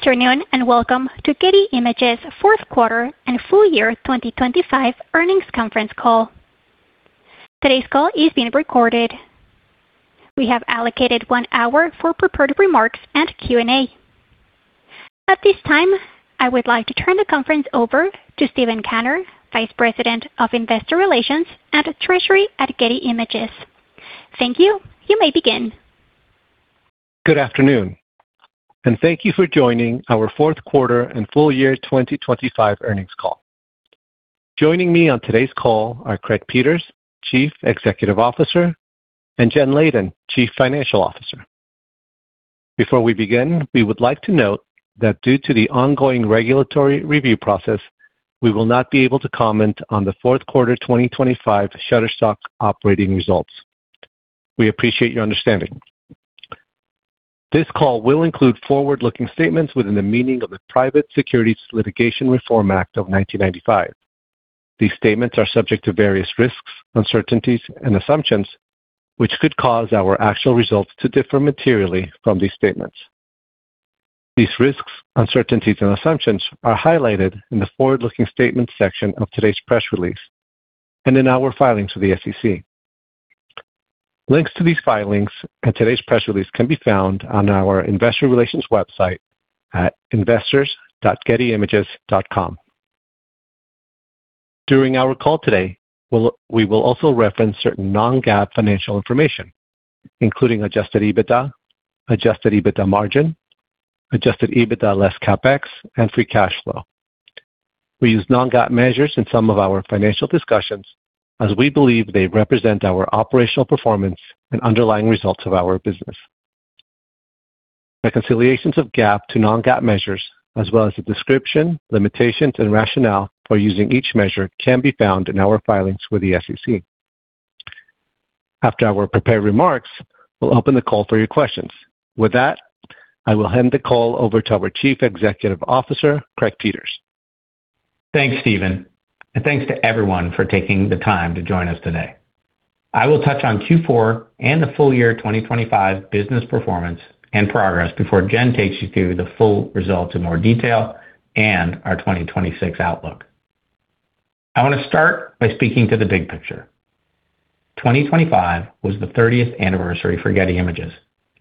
Good afternoon, and welcome to Getty Images' Fourth Quarter and Full Year 2025 Earnings Conference Call. Today's call is being recorded. We have allocated one hour for prepared remarks and Q&A. At this time, I would like to turn the conference over to Steven Kanner, Vice President of Investor Relations and Treasury at Getty Images. Thank you. You may begin. Good afternoon, and thank you for joining our fourth quarter and full year 2025 earnings call. Joining me on today's call are Craig Peters, Chief Executive Officer, and Jen Leyden, Chief Financial Officer. Before we begin, we would like to note that due to the ongoing regulatory review process, we will not be able to comment on the fourth quarter 2025 Shutterstock operating results. We appreciate your understanding. This call will include forward-looking statements within the meaning of the Private Securities Litigation Reform Act of 1995. These statements are subject to various risks, uncertainties and assumptions, which could cause our actual results to differ materially from these statements. These risks, uncertainties, and assumptions are highlighted in the forward-looking statements section of today's press release and in our filings with the SEC. Links to these filings and today's press release can be found on our Investor Relations website at investors.gettyimages.com. During our call today, we will also reference certain non-GAAP financial information including adjusted EBITDA, adjusted EBITDA margin, adjusted EBITDA less CapEx, and free cash flow. We use non-GAAP measures in some of our financial discussions as we believe they represent our operational performance and underlying results of our business. Reconciliations of GAAP to non-GAAP measures as well as the description, limitations, and rationale for using each measure can be found in our filings with the SEC. After our prepared remarks, we'll open the call for your questions. With that, I will hand the call over to our Chief Executive Officer, Craig Peters. Thanks, Steven, and thanks to everyone for taking the time to join us today. I will touch on Q4 and the full year 2025 business performance and progress before Jen takes you through the full results in more detail and our 2026 outlook. I wanna start by speaking to the big picture. 2025 was the 30th anniversary for Getty Images,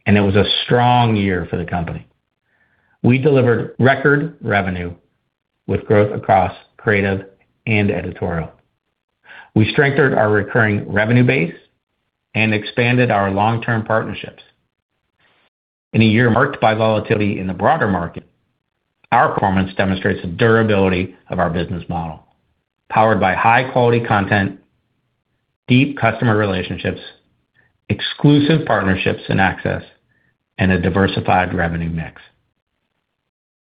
and it was a strong year for the company. We delivered record revenue with growth across creative and editorial. We strengthened our recurring revenue base and expanded our long-term partnerships. In a year marked by volatility in the broader market, our performance demonstrates the durability of our business model, powered by high quality content, deep customer relationships, exclusive partnerships and access, and a diversified revenue mix.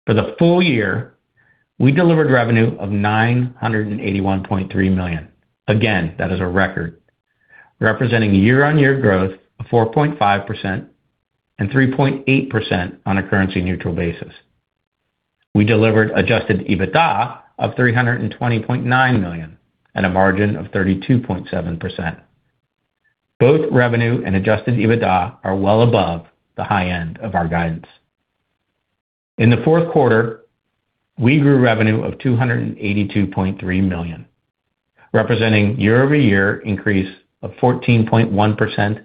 For the full year, we delivered revenue of $981.3 million. Again, that is a record. Representing a year-over-year growth of 4.5% and 3.8% on a currency neutral basis. We delivered adjusted EBITDA of $320.9 million at a margin of 32.7%. Both revenue and adjusted EBITDA are well above the high end of our guidance. In the fourth quarter, we grew revenue of $282.3 million, representing year-over-year increase of 14.1%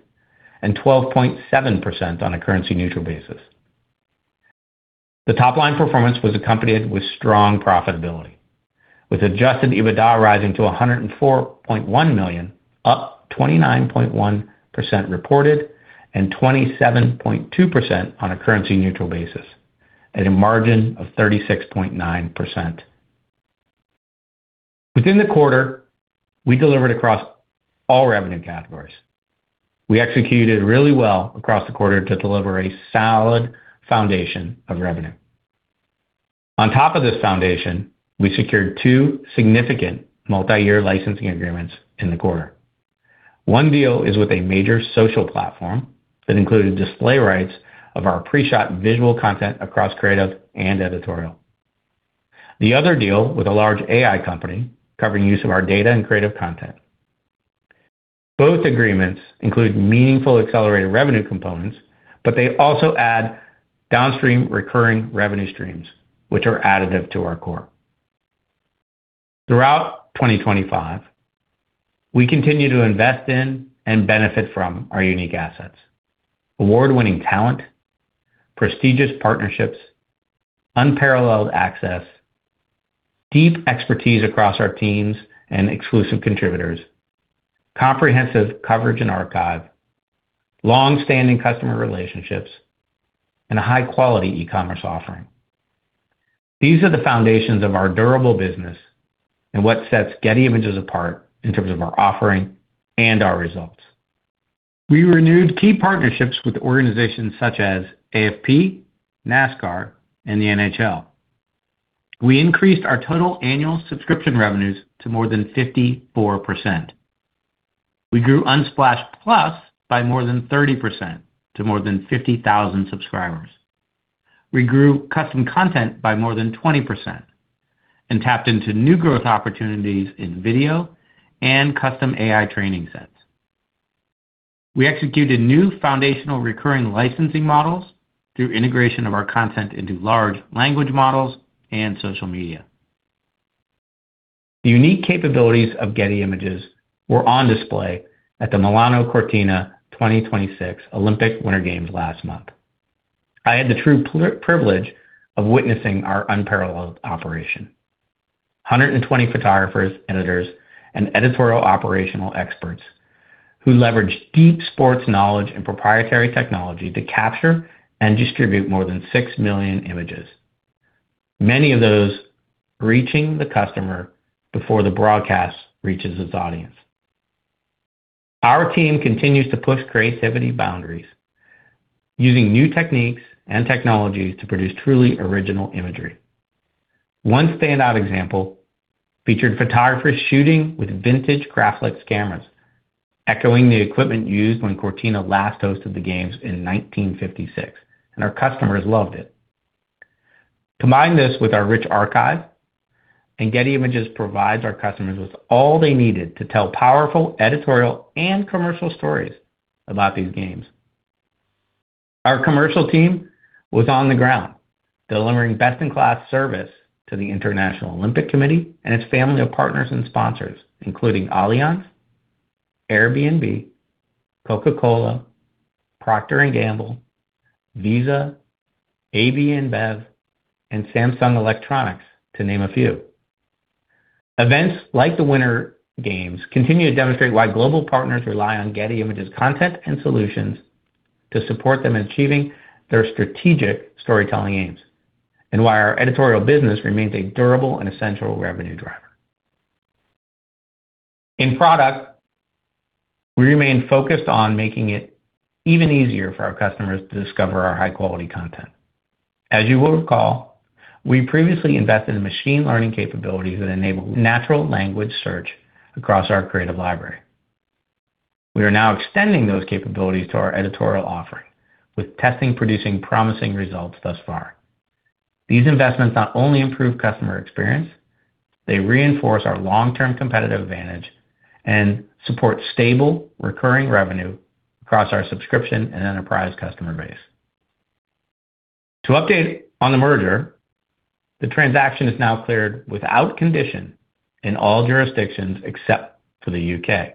and 12.7% on a currency neutral basis. The top line performance was accompanied with strong profitability, with adjusted EBITDA rising to $104.1 million, up 29.1% reported and 27.2% on a currency neutral basis at a margin of 36.9%. Within the quarter, we delivered across all revenue categories. We executed really well across the quarter to deliver a solid foundation of revenue. On top of this foundation, we secured two significant multi-year licensing agreements in the quarter. One deal is with a major social platform that included display rights of our pre-shot visual content across creative and editorial. The other deal with a large AI company covering use of our data and creative content. Both agreements include meaningful accelerated revenue components, but they also add downstream recurring revenue streams which are additive to our core. Throughout 2025, we continue to invest in and benefit from our unique assets. Award-winning talent, prestigious partnerships, unparalleled access, deep expertise across our teams and exclusive contributors, comprehensive coverage and archive, long-standing customer relationships, and a high quality e-commerce offering. These are the foundations of our durable business and what sets Getty Images apart in terms of our offering and our results. We renewed key partnerships with organizations such as AFP, NASCAR, and the NHL. We increased our total annual subscription revenues to more than 54%. We grew Unsplash+ by more than 30% to more than 50,000 subscribers. We grew custom content by more than 20% and tapped into new growth opportunities in video and custom AI training sets. We executed new foundational recurring licensing models through integration of our content into large language models and social media. The unique capabilities of Getty Images were on display at the Milano Cortina 2026 Olympic Winter Games last month. I had the true privilege of witnessing our unparalleled operation. 120 photographers, editors, and editorial operational experts who leveraged deep sports knowledge and proprietary technology to capture and distribute more than six million images, many of those reaching the customer before the broadcast reaches its audience. Our team continues to push creativity boundaries using new techniques and technologies to produce truly original imagery. One standout example featured photographers shooting with vintage Graflex cameras, echoing the equipment used when Cortina last hosted the games in 1956, and our customers loved it. Combine this with our rich archive, and Getty Images provides our customers with all they needed to tell powerful editorial and commercial stories about these games. Our commercial team was on the ground delivering best-in-class service to the International Olympic Committee and its family of partners and sponsors, including Allianz, Airbnb, Coca-Cola, Procter & Gamble, Visa, AB InBev, and Samsung Electronics, to name a few. Events like the Winter Games continue to demonstrate why global partners rely on Getty Images content and solutions to support them in achieving their strategic storytelling aims, and why our editorial business remains a durable and essential revenue driver. In product, we remain focused on making it even easier for our customers to discover our high-quality content. As you will recall, we previously invested in machine learning capabilities that enable natural language search across our creative library. We are now extending those capabilities to our editorial offering, with testing producing promising results thus far. These investments not only improve customer experience, they reinforce our long-term competitive advantage and support stable recurring revenue across our subscription and enterprise customer base. To update on the merger, the transaction is now cleared without condition in all jurisdictions except for the U.K.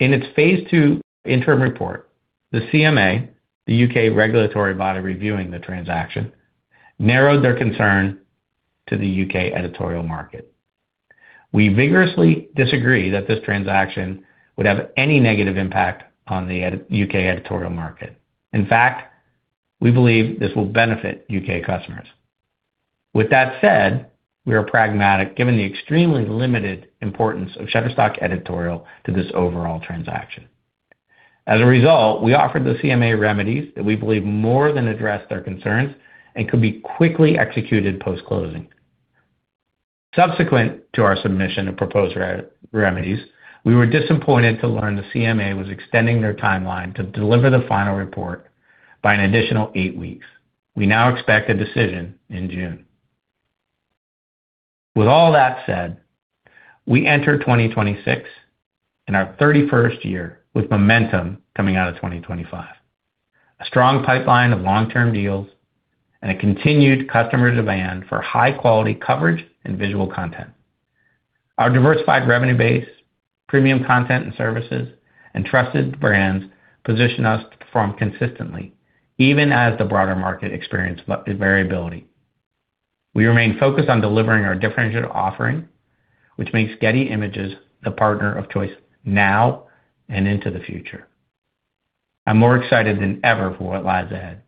In its phase two interim report, the CMA, the U.K. regulatory body reviewing the transaction, narrowed their concern to the U.K. editorial market. We vigorously disagree that this transaction would have any negative impact on the U.K. editorial market. In fact, we believe this will benefit U.K. customers. With that said, we are pragmatic given the extremely limited importance of Shutterstock Editorial to this overall transaction. As a result, we offered the CMA remedies that we believe more than address their concerns and could be quickly executed post-closing. Subsequent to our submission of proposed remedies, we were disappointed to learn the CMA was extending their timeline to deliver the final report by an additional eight weeks. We now expect a decision in June. With all that said, we enter 2026, in our 31st year, with momentum coming out of 2025, a strong pipeline of long-term deals, and a continued customer demand for high-quality coverage and visual content. Our diversified revenue base, premium content and services, and trusted brands position us to perform consistently, even as the broader market experiences variability. We remain focused on delivering our differentiated offering, which makes Getty Images the partner of choice now and into the future. I'm more excited than ever for what lies ahead.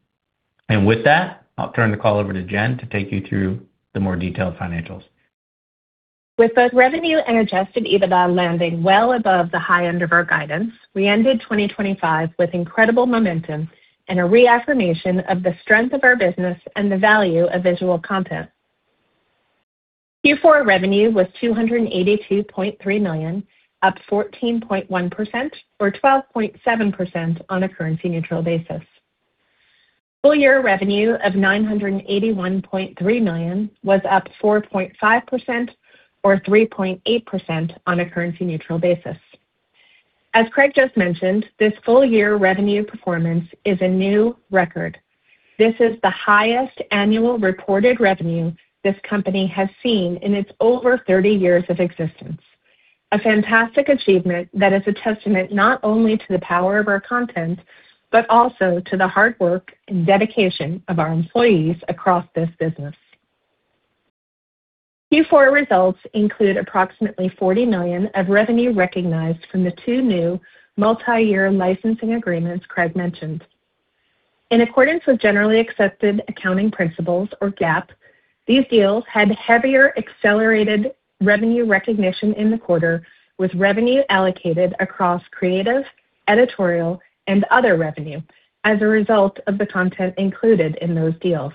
With that, I'll turn the call over to Jen to take you through the more detailed financials. With both revenue and adjusted EBITDA landing well above the high end of our guidance, we ended 2025 with incredible momentum and a reaffirmation of the strength of our business and the value of visual content. Q4 revenue was $282.3 million, up 14.1% or 12.7% on a currency neutral basis. Full year revenue of $981.3 million was up 4.5% or 3.8% on a currency neutral basis. As Craig just mentioned, this full year revenue performance is a new record. This is the highest annual reported revenue this company has seen in its over 30 years of existence. A fantastic achievement that is a testament not only to the power of our content, but also to the hard work and dedication of our employees across this business. Q4 results include approximately $40 million of revenue recognized from the two new multi-year licensing agreements Craig mentioned. In accordance with generally accepted accounting principles or GAAP, these deals had heavier accelerated revenue recognition in the quarter, with revenue allocated across creative, editorial, and other revenue as a result of the content included in those deals.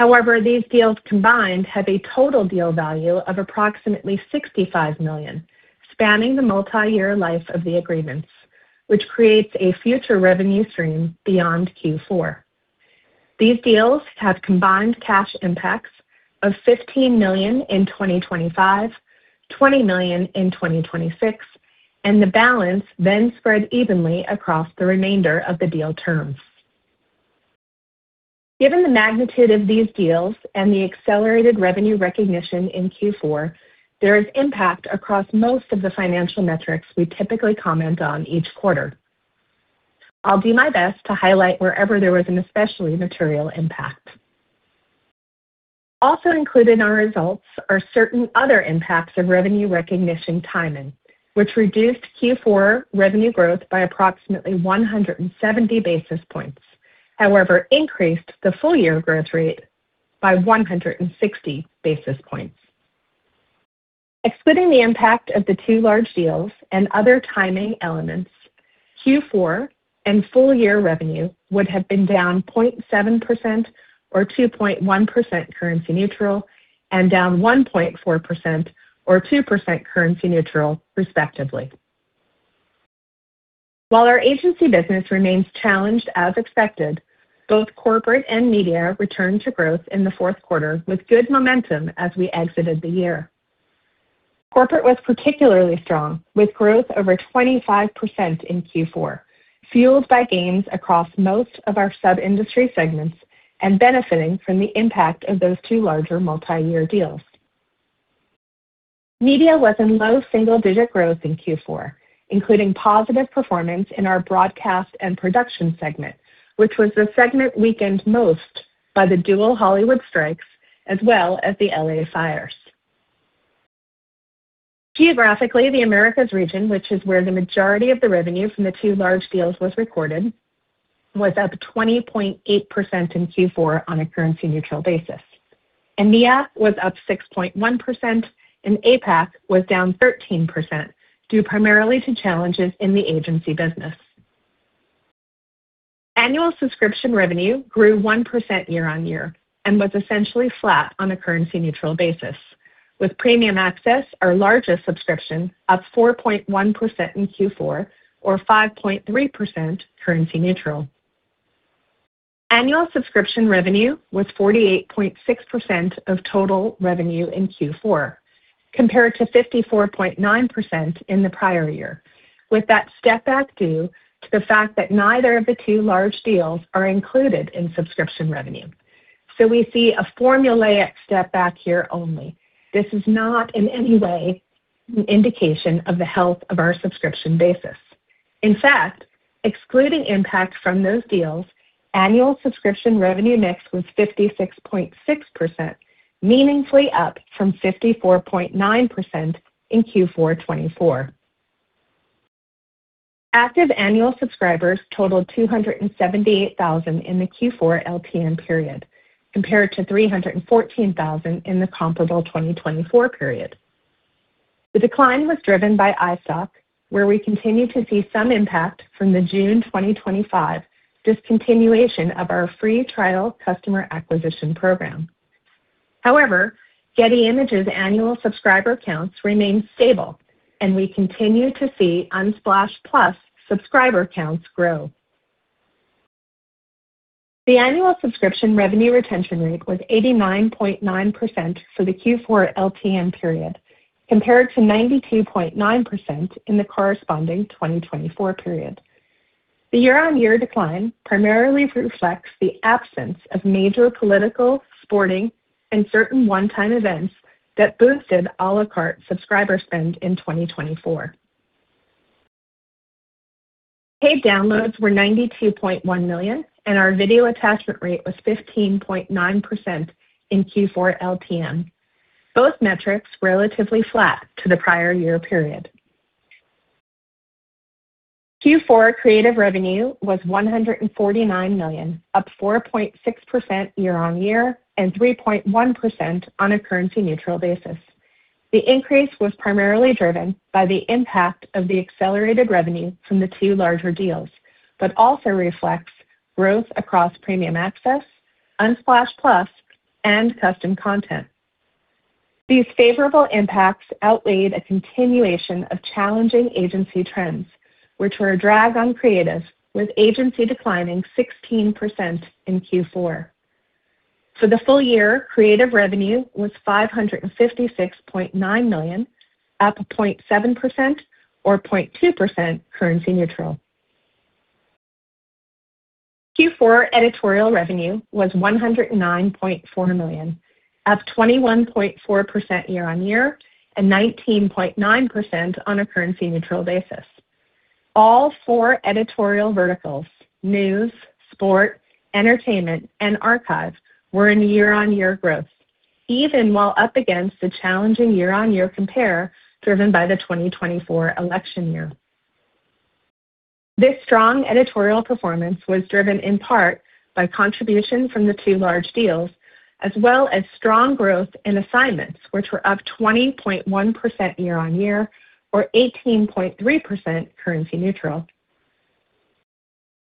However, these deals combined have a total deal value of approximately $65 million, spanning the multi-year life of the agreements, which creates a future revenue stream beyond Q4. These deals have combined cash impacts of $15 million in 2025, $20 million in 2026, and the balance then spread evenly across the remainder of the deal terms. Given the magnitude of these deals and the accelerated revenue recognition in Q4, there is impact across most of the financial metrics we typically comment on each quarter. I'll do my best to highlight wherever there was an especially material impact. Also included in our results are certain other impacts of revenue recognition timing, which reduced Q4 revenue growth by approximately 170 basis points, however, increased the full year growth rate by 160 basis points. Excluding the impact of the two large deals and other timing elements, Q4 and full year revenue would have been down 0.7% or 2.1% currency neutral, and down 1.4% or 2% currency neutral, respectively. While our agency business remains challenged as expected, both corporate and media returned to growth in the fourth quarter with good momentum as we exited the year. Corporate was particularly strong, with growth over 25% in Q4, fueled by gains across most of our sub-industry segments and benefiting from the impact of those two larger multi-year deals. Media was in low single-digit growth in Q4, including positive performance in our broadcast and production segment, which was the segment weakened most by the dual Hollywood strikes as well as the LA fires. Geographically, the Americas region, which is where the majority of the revenue from the two large deals was recorded, was up 20.8% in Q4 on a currency neutral basis. EMEA was up 6.1% and APAC was down 13%, due primarily to challenges in the agency business. Annual subscription revenue grew 1% year-over-year and was essentially flat on a currency neutral basis, with Premium Access, our largest subscription, up 4.1% in Q4 or 5.3% currency neutral. Annual subscription revenue was 48.6% of total revenue in Q4, compared to 54.9% in the prior year, with that step-back due to the fact that neither of the two large deals are included in subscription revenue. We see a formulaic step-back here only. This is not in any way an indication of the health of our subscription basis. In fact, excluding impact from those deals, annual subscription revenue mix was 56.6%, meaningfully up from 54.9% in Q4 2024. Active annual subscribers totaled 278,000 in the Q4 LTM period, compared to 314,000 in the comparable 2024 period. The decline was driven by iStock, where we continue to see some impact from the June 2025 discontinuation of our free trial customer acquisition program. However, Getty Images annual subscriber counts remain stable, and we continue to see Unsplash+ subscriber counts grow. The annual subscription revenue retention rate was 89.9% for the Q4 LTM period, compared to 92.9% in the corresponding 2024 period. The year-on-year decline primarily reflects the absence of major political, sporting, and certain one-time events that boosted à la carte subscriber spend in 2024. Paid downloads were 92.1 million and our video attachment rate was 15.9% in Q4 LTM, both metrics relatively flat to the prior year period. Q4 creative revenue was $149 million, up 4.6% year-on-year and 3.1% on a currency neutral basis. The increase was primarily driven by the impact of the accelerated revenue from the two larger deals, but also reflects growth across Premium Access, Unsplash+, and custom content. These favorable impacts outweighed a continuation of challenging agency trends, which were a drag on creative, with agency declining 16% in Q4. For the full year, creative revenue was $556.9 million, up 0.7% or 0.2% currency neutral. Q4 editorial revenue was $109.4 million, up 21.4% year-on-year and 19.9% on a currency neutral basis. All four editorial verticals, news, sport, entertainment, and archive were in year-on-year growth, even while up against the challenging year-on-year compare driven by the 2024 election year. This strong editorial performance was driven in part by contribution from the two large deals, as well as strong growth in assignments, which were up 20.1% year-on-year or 18.3% currency neutral.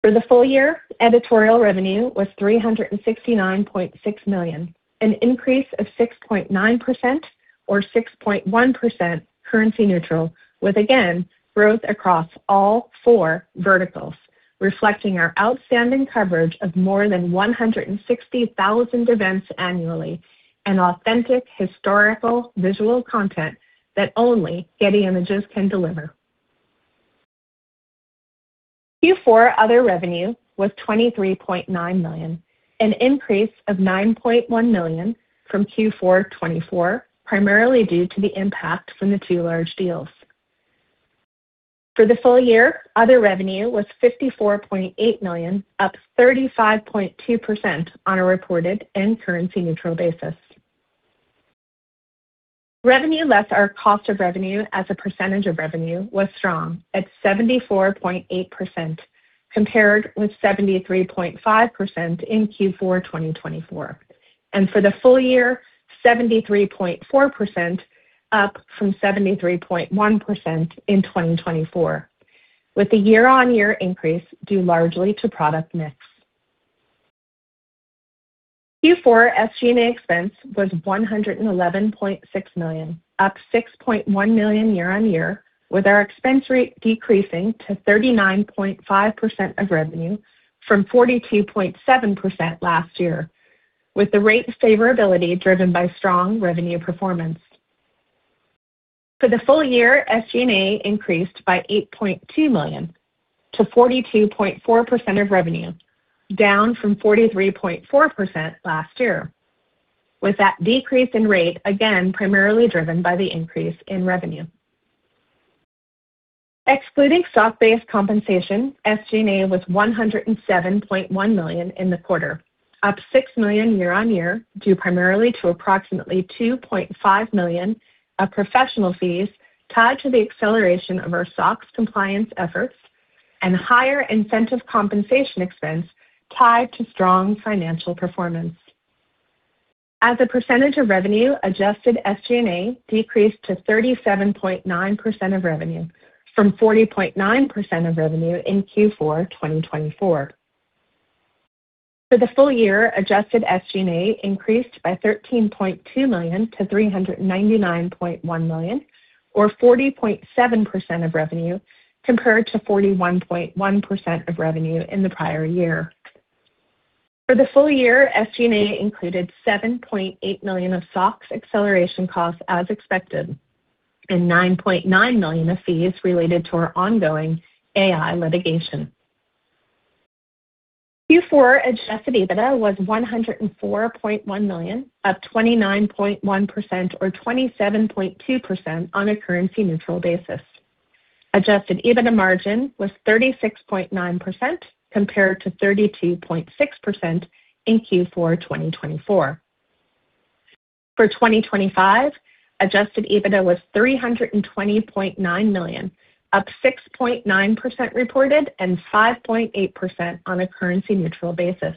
For the full year, editorial revenue was $369.6 million, an increase of 6.9% or 6.1% currency neutral, with again, growth across all four verticals, reflecting our outstanding coverage of more than 160,000 events annually and authentic historical visual content that only Getty Images can deliver. Q4 other revenue was $23.9 million, an increase of $9.1 million from Q4 2024, primarily due to the impact from the two large deals. For the full year, other revenue was $54.8 million, up 35.2% on a reported and currency neutral basis. Revenue less our cost of revenue as a percentage of revenue was strong at 74.8% compared with 73.5% in Q4 2024, and for the full year, 73.4%, up from 73.1% in 2024, with the year-on-year increase due largely to product mix. Q4 SG&A expense was $111.6 million, up $6.1 million year-on-year, with our expense rate decreasing to 39.5% of revenue from 42.7% last year, with the rate favorability driven by strong revenue performance. For the full year, SG&A increased by $8.2 million to 42.4% of revenue, down from 43.4% last year, with that decrease in rate again, primarily driven by the increase in revenue. Excluding stock-based compensation, SG&A was $107.1 million in the quarter, up $6 million year-on-year, due primarily to approximately $2.5 million of professional fees tied to the acceleration of our SOX compliance efforts and higher incentive compensation expense tied to strong financial performance. As a percentage of revenue, adjusted SG&A decreased to 37.9% of revenue from 40.9% of revenue in Q4 2024. For the full year, adjusted SG&A increased by $13.2 million to $399.1 million, or 40.7% of revenue, compared to 41.1% of revenue in the prior year. For the full year, SG&A included $7.8 million of SOX acceleration costs as expected, and $9.9 million of fees related to our ongoing AI litigation. Q4 adjusted EBITDA was $104.1 million, up 29.1% or 27.2% on a currency neutral basis.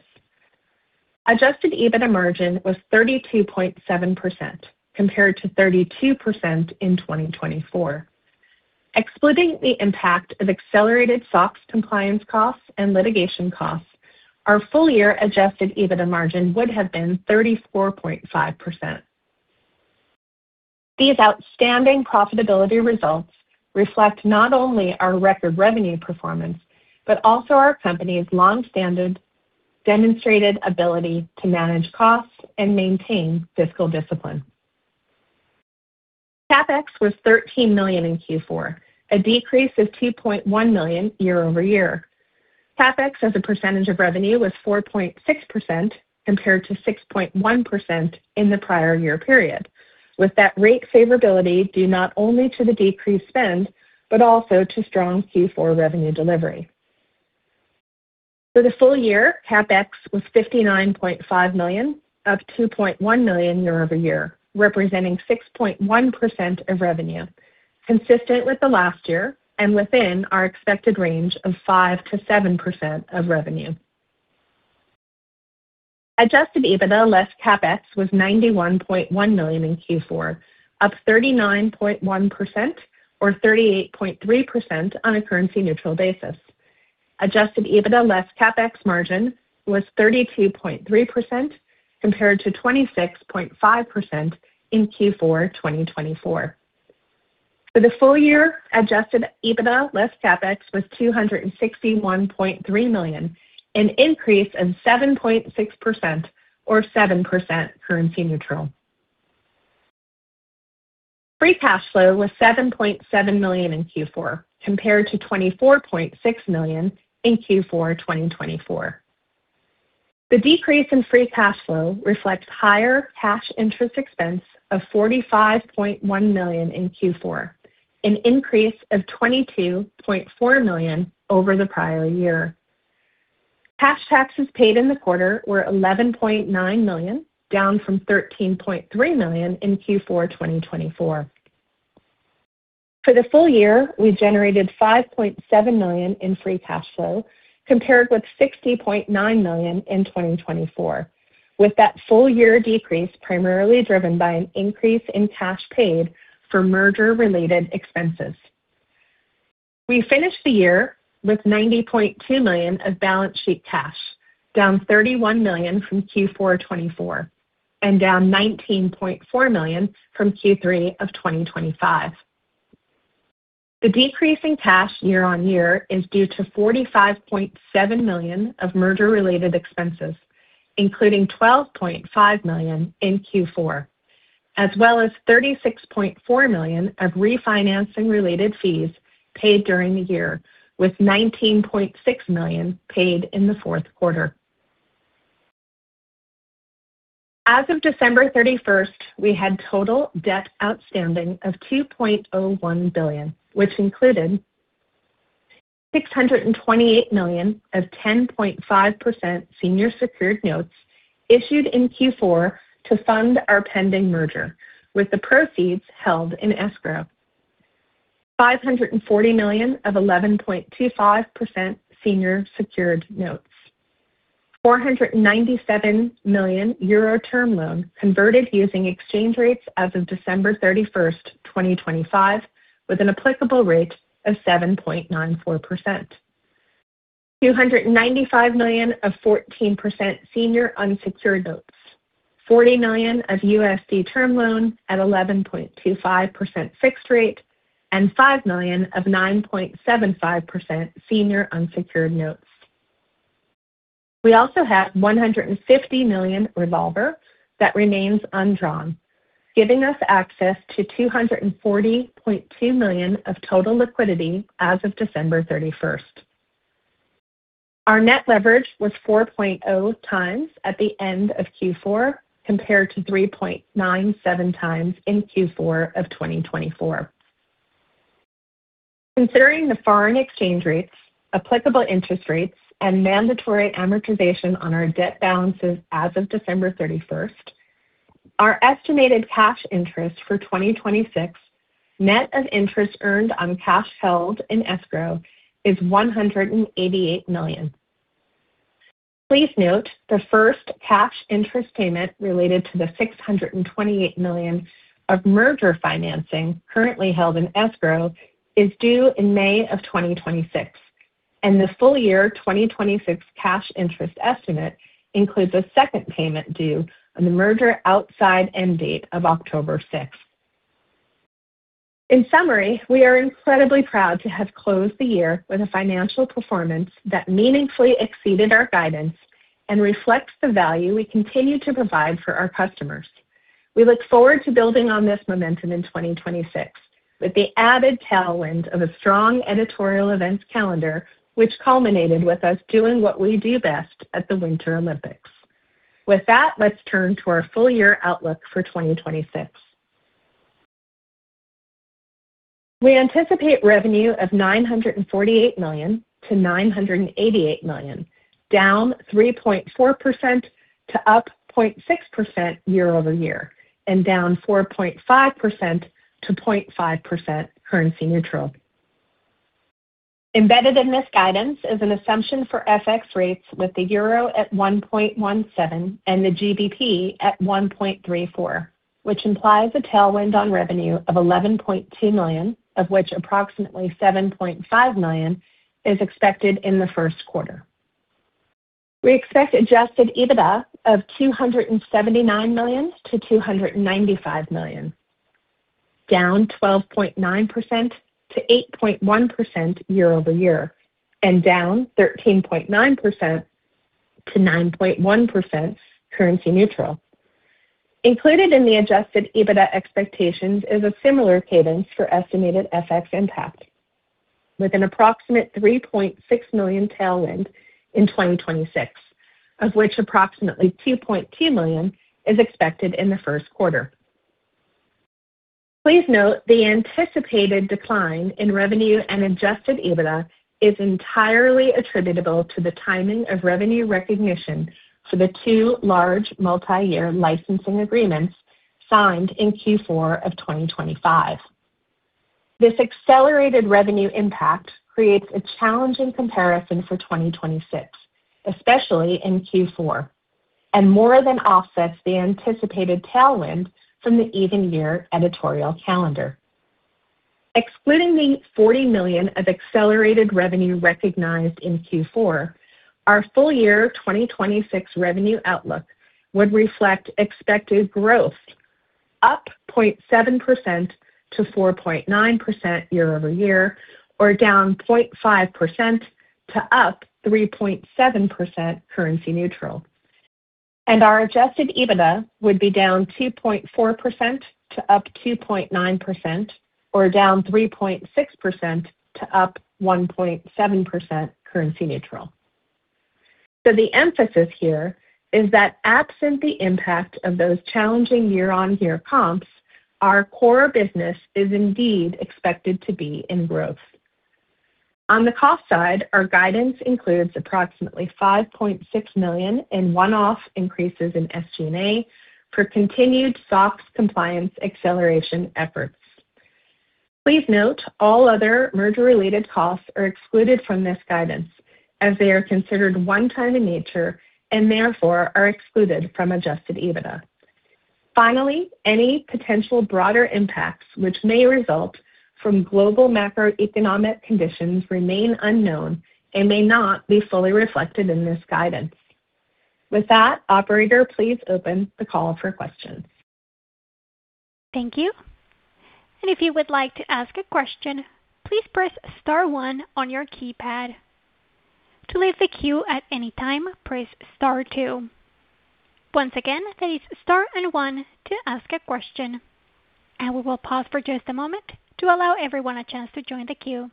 Adjusted EBITDA margin was 36.9% compared to 32.6% in Q4 2024. For 2025, adjusted EBITDA was $320.9 million, up 6.9% reported and 5.8% on a currency neutral basis. Adjusted EBITDA margin was 32.7% compared to 32% in 2024. Excluding the impact of accelerated SOX compliance costs and litigation costs, our full year adjusted EBITDA margin would have been 34.5%. These outstanding profitability results reflect not only our record revenue performance, but also our company's long-standing demonstrated ability to manage costs and maintain fiscal discipline. CapEx was $13 million in Q4, a decrease of $2.1 million year-over-year. CapEx as a percentage of revenue was 4.6% compared to 6.1% in the prior year period, with that rate favorability due not only to the decreased spend, but also to strong Q4 revenue delivery. For the full year, CapEx was $59.5 million, up $2.1 million year-over-year, representing 6.1% of revenue, consistent with the last year and within our expected range of 5%-7% of revenue. Adjusted EBITDA less CapEx was $91.1 million in Q4, up 39.1% or 38.3% on a currency neutral basis. Adjusted EBITDA less CapEx margin was 32.3% compared to 26.5% in Q4 2024. For the full year, adjusted EBITDA less CapEx was $261.3 million, an increase of 7.6% or 7% currency neutral. Free cash flow was $7.7 million in Q4, compared to $24.6 million in Q4 2024. The decrease in free cash flow reflects higher cash interest expense of $45.1 million in Q4, an increase of $22.4 million over the prior year. Cash taxes paid in the quarter were $11.9 million, down from $13.3 million in Q4 2024. For the full year, we generated $5.7 million in free cash flow, compared with $60.9 million in 2024, with that full year decrease primarily driven by an increase in cash paid for merger-related expenses. We finished the year with $90.2 million of balance sheet cash, down $31 million from Q4 2024 and down $19.4 million from Q3 of 2025. The decrease in cash year-on-year is due to $45.7 million of merger-related expenses, including $12.5 million in Q4, as well as $36.4 million of refinancing-related fees paid during the year, with $19.6 million paid in the fourth quarter. As of December 31st, we had total debt outstanding of $2.01 billion, which included $628 million of 10.5% senior secured notes issued in Q4 to fund our pending merger, with the proceeds held in escrow. $540 million of 11.25% senior secured notes. 497 million euro term loan converted using exchange rates as of December 31, 2025, with an applicable rate of 7.94%. $295 million of 14% senior unsecured notes. $40 million of USD term loan at 11.25% fixed rate and $5 million of 9.75% senior unsecured notes. We also have $150 million revolver that remains undrawn, giving us access to $240.2 million of total liquidity as of December 31st. Our net leverage was 4.0x at the end of Q4, compared to 3.97x in Q4 of 2024. Considering the foreign exchange rates, applicable interest rates and mandatory amortization on our debt balances as of December 31st, our estimated cash interest for 2026, net of interest earned on cash held in escrow is $188 million. Please note the first cash interest payment related to the $628 million of merger financing currently held in escrow is due in May of 2026, and the full year 2026 cash interest estimate includes a second payment due on the merger outside end date of October 6. In summary, we are incredibly proud to have closed the year with a financial performance that meaningfully exceeded our guidance and reflects the value we continue to provide for our customers. We look forward to building on this momentum in 2026 with the added tailwind of a strong editorial events calendar, which culminated with us doing what we do best at the Winter Olympics. With that, let's turn to our full year outlook for 2026. We anticipate revenue of $948 million-$988 million, down 3.4% to up 0.6% year-over-year and down 4.5% to 0.5% currency neutral. Embedded in this guidance is an assumption for FX rates, with the euro at 1.17 and the GBP at 1.34, which implies a tailwind on revenue of $11.2 million, of which approximately $7.5 million is expected in the first quarter. We expect adjusted EBITDA of $279 million to $295 million, down 12.9% to 8.1% year-over-year and down 13.9% to 9.1% currency neutral. Included in the adjusted EBITDA expectations is a similar cadence for estimated FX impact with an approximate $3.6 million tailwind in 2026, of which approximately $2.2 million is expected in the first quarter. Please note the anticipated decline in revenue and adjusted EBITDA is entirely attributable to the timing of revenue recognition for the two large multi-year licensing agreements signed in Q4 of 2025. This accelerated revenue impact creates a challenging comparison for 2026, especially in Q4, and more than offsets the anticipated tailwind from the even-year editorial calendar. Excluding the $40 million of accelerated revenue recognized in Q4, our full-year 2026 revenue outlook would reflect expected growth 0.7%-4.9% year-over-year or down 0.5% to up 3.7% currency-neutral. Our adjusted EBITDA would be down 2.4% to up 2.9% or down 3.6% to up 1.7% currency-neutral. The emphasis here is that absent the impact of those challenging year-on-year comps, our core business is indeed expected to be in growth. On the cost side, our guidance includes approximately $5.6 million in one-off increases in SG&A for continued SOX compliance acceleration efforts. Please note all other merger related costs are excluded from this guidance, as they are considered one-time in nature and therefore are excluded from adjusted EBITDA. Finally, any potential broader impacts which may result from global macroeconomic conditions remain unknown and may not be fully reflected in this guidance. With that, operator, please open the call for questions. Thank you. If you would like to ask a question, please press star one on your keypad. To leave the queue at any time, press star two. Once again, that is star and one to ask a question. We will pause for just a moment to allow everyone a chance to join the queue.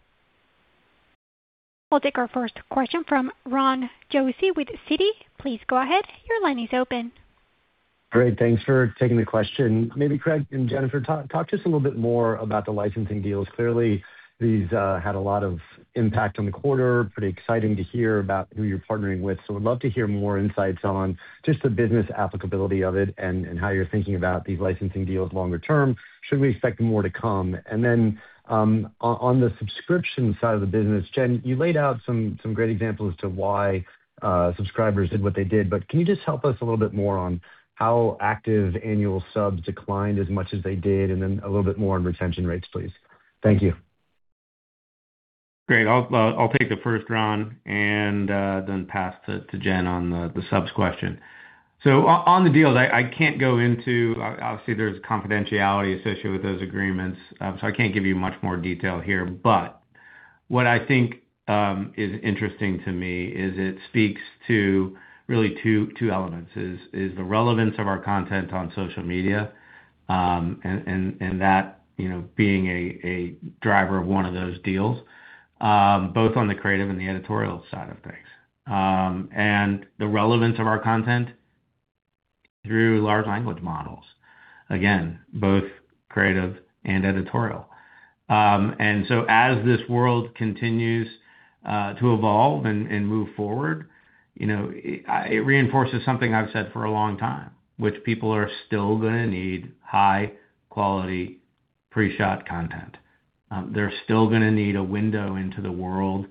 We'll take our first question from Ronald Josey with Citi. Please go ahead. Your line is open. Great, thanks for taking the question. Maybe Craig and Jennifer, talk to us a little bit more about the licensing deals. Clearly, these had a lot of impact on the quarter. Pretty exciting to hear about who you're partnering with. I'd love to hear more insights on just the business applicability of it and how you're thinking about these licensing deals longer term. Should we expect more to come? On the subscription side of the business, Jen, you laid out some great examples as to why subscribers did what they did, but can you just help us a little bit more on how active annual subs declined as much as they did, and then a little bit more on retention rates, please. Thank you. Great. I'll take the first, Ron, and then pass to Jen on the subs question. On the deals, I can't go into. Obviously, there's confidentiality associated with those agreements, so I can't give you much more detail here. But what I think is interesting to me is it speaks to really two elements, the relevance of our content on social media, and that, you know, being a driver of one of those deals, both on the creative and the editorial side of things. The relevance of our content through large language models, again, both creative and editorial. As this world continues to evolve and move forward, you know, it reinforces something I've said for a long time, which people are still gonna need high-quality pre-shot content. They're still gonna need a window into the world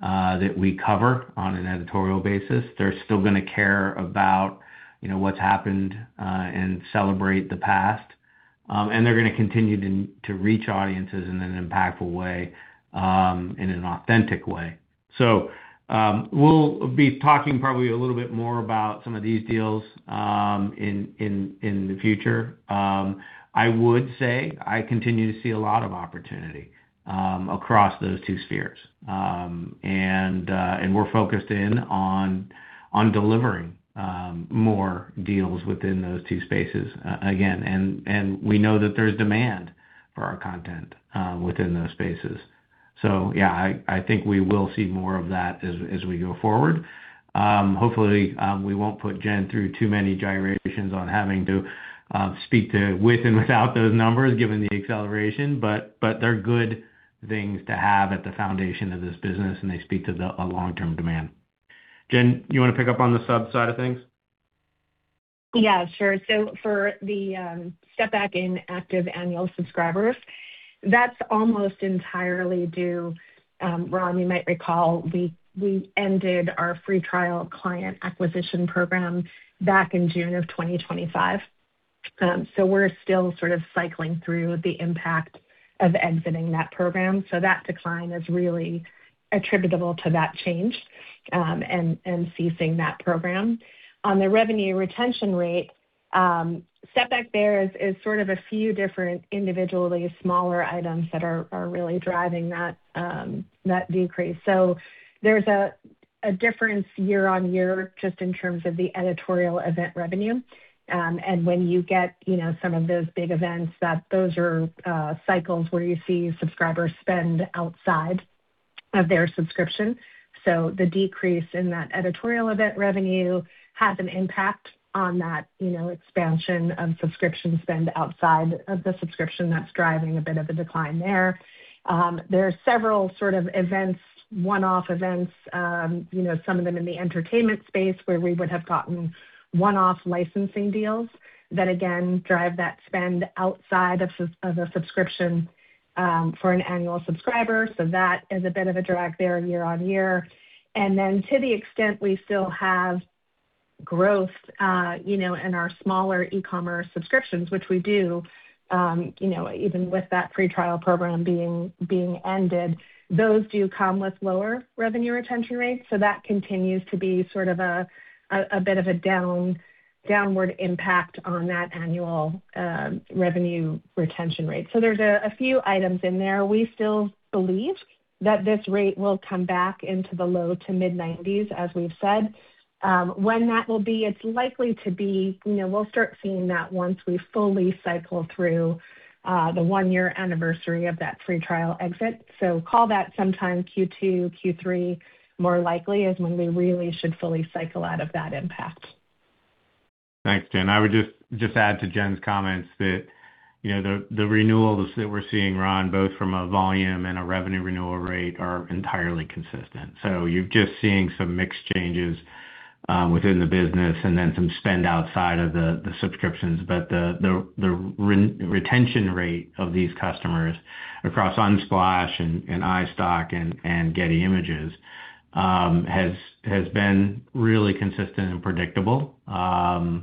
that we cover on an editorial basis. They're still gonna care about, you know, what's happened and celebrate the past. They're gonna continue to reach audiences in an impactful way in an authentic way. We'll be talking probably a little bit more about some of these deals in the future. I would say I continue to see a lot of opportunity across those two spheres. We're focused in on delivering more deals within those two spaces again. We know that there's demand for our content within those spaces. Yeah, I think we will see more of that as we go forward. Hopefully, we won't put Jen through too many gyrations on having to speak to with and without those numbers, given the acceleration, but they're good things to have at the foundation of this business, and they speak to the long-term demand. Jen, you wanna pick up on the sub side of things? Yeah, sure. For the step back in active annual subscribers, that's almost entirely due, Ron, you might recall, we ended our free trial client acquisition program back in June of 2025. We're still sort of cycling through the impact of exiting that program. That decline is really attributable to that change, and ceasing that program. On the revenue retention rate, step back there is sort of a few different individually smaller items that are really driving that decrease. There's a difference year-over-year just in terms of the editorial event revenue. When you get, you know, some of those big events that those are cycles where you see subscribers spend outside of their subscription. The decrease in that editorial event revenue has an impact on that, you know, expansion of subscription spend outside of the subscription that's driving a bit of a decline there. There are several sort of events, one-off events, you know, some of them in the entertainment space where we would have gotten one-off licensing deals that again drive that spend outside of a subscription for an annual subscriber. That is a bit of a drag there year-over-year. To the extent we still have growth, you know, in our smaller e-commerce subscriptions, which we do, you know, even with that free trial program being ended, those do come with lower revenue retention rates. That continues to be sort of a bit of a downward impact on that annual revenue retention rate. There's a few items in there. We still believe that this rate will come back into the low to mid 90s, as we've said. When that will be, it's likely to be, you know, we'll start seeing that once we fully cycle through the one-year anniversary of that free trial exit. Call that sometime Q2, Q3, more likely is when we really should fully cycle out of that impact. Thanks, Jen. I would just add to Jen's comments that, you know, the renewals that we're seeing, Ron, both from a volume and a revenue renewal rate are entirely consistent. You're just seeing some mix changes within the business and then some spend outside of the subscriptions. But the retention rate of these customers across Unsplash and iStock and Getty Images has been really consistent and predictable. That's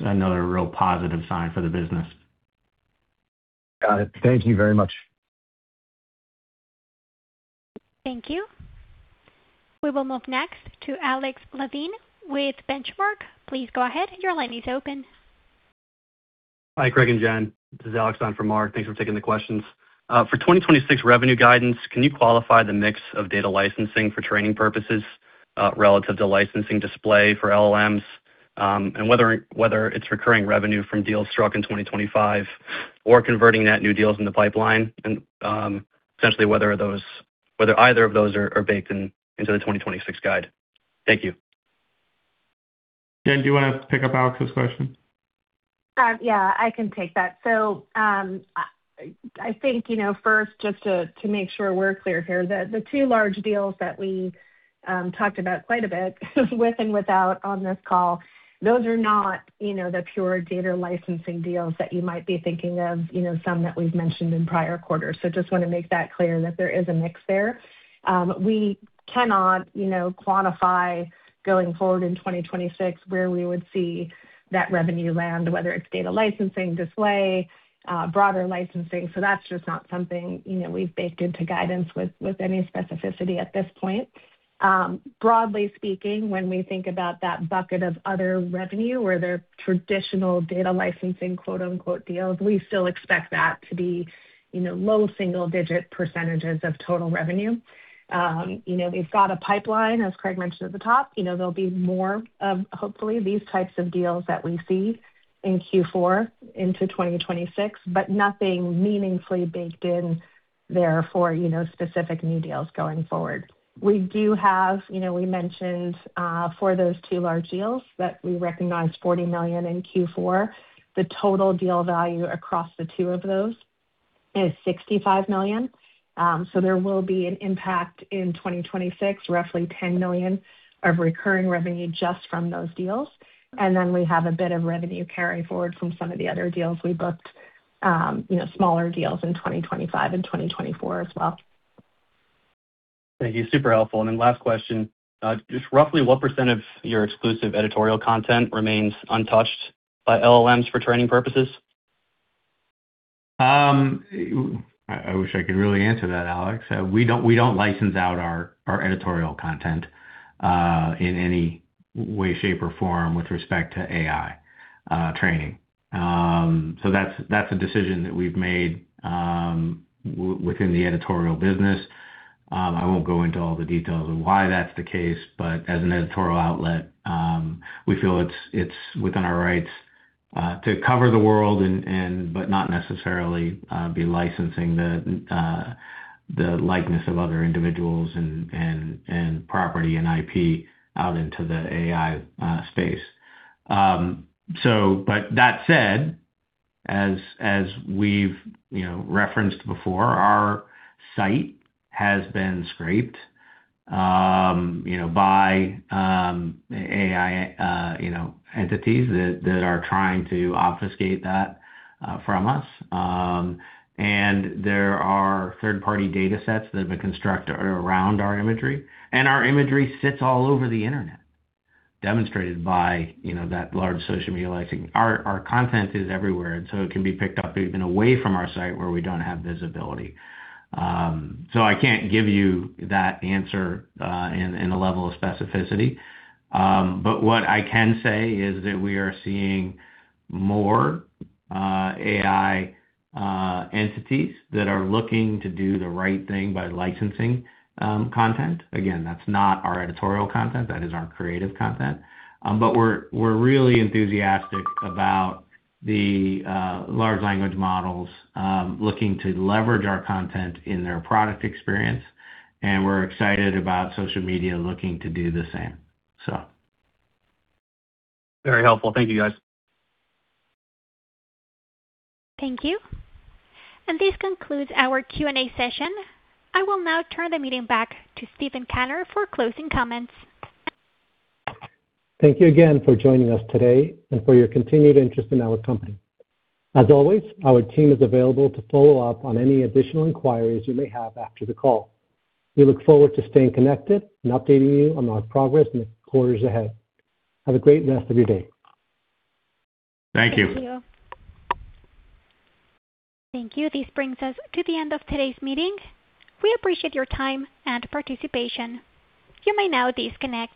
another real positive sign for the business. Got it. Thank you very much. Thank you. We will move next to Alex LaVigne with Benchmark. Please go ahead. Your line is open. Hi, Craig and Jen. This is Alex LaVigne from Benchmark. Thanks for taking the questions. For 2026 revenue guidance, can you qualify the mix of data licensing for training purposes relative to licensing display for LLMs, and whether it's recurring revenue from deals struck in 2025 or converting to new deals in the pipeline and essentially whether either of those are baked into the 2026 guide. Thank you. Jen, do you wanna pick up Alex's question? Yeah, I can take that. I think, you know, first, just to make sure we're clear here, the two large deals that we talked about quite a bit with and without on this call, those are not, you know, the pure data licensing deals that you might be thinking of, you know, some that we've mentioned in prior quarters. Just wanna make that clear that there is a mix there. We cannot, you know, quantify going forward in 2026 where we would see that revenue land, whether it's data licensing, display, broader licensing. That's just not something, you know, we've baked into guidance with any specificity at this point. Broadly speaking, when we think about that bucket of other revenue where they're traditional data licensing, quote-unquote, deals, we still expect that to be, you know, low single-digit percentages of total revenue. You know, we've got a pipeline, as Craig mentioned at the top. You know, there'll be more of, hopefully, these types of deals that we see in Q4 into 2026, but nothing meaningfully baked in there for, you know, specific new deals going forward. We do have, you know, we mentioned, for those two large deals that we recognized $40 million in Q4, the total deal value across the two of those is $65 million. There will be an impact in 2026, roughly $10 million of recurring revenue just from those deals. We have a bit of revenue carry forward from some of the other deals we booked, you know, smaller deals in 2025 and 2024 as well. Thank you. Super helpful. Last question. Just roughly what percent of your exclusive editorial content remains untouched by LLMs for training purposes? I wish I could really answer that, Alex. We don't license out our editorial content in any way, shape, or form with respect to AI training. That's a decision that we've made within the editorial business. I won't go into all the details of why that's the case, but as an editorial outlet, we feel it's within our rights to cover the world and, but not necessarily be licensing the likeness of other individuals and property and IP out into the AI space. That said, as we've you know referenced before, our site has been scraped, you know, by AI you know entities that are trying to obfuscate that from us. There are third-party datasets that have been constructed around our imagery, and our imagery sits all over the internet, demonstrated by, you know, that large social media licensing. Our content is everywhere, and so it can be picked up even away from our site where we don't have visibility. I can't give you that answer in a level of specificity. But what I can say is that we are seeing more AI entities that are looking to do the right thing by licensing content. Again, that's not our editorial content. That is our creative content. We're really enthusiastic about the large language models looking to leverage our content in their product experience, and we're excited about social media looking to do the same. Very helpful. Thank you, guys. Thank you. This concludes our Q&A session. I will now turn the meeting back to Steven Kanner for closing comments. Thank you again for joining us today and for your continued interest in our company. As always, our team is available to follow up on any additional inquiries you may have after the call. We look forward to staying connected and updating you on our progress in the quarters ahead. Have a great rest of your day. Thank you. Thank you. This brings us to the end of today's meeting. We appreciate your time and participation. You may now disconnect.